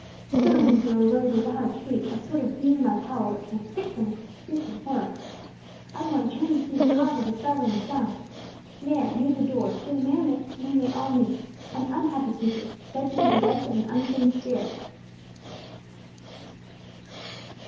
Suddenly there arose a wild shriek, a sort of demon like howl that transfixed them with its piercing horror. Every one turned to see the cause of the startling sound. There, near the door, stood a man whom they all knew, an unhappy creature said to be possessed of an unclean spirit.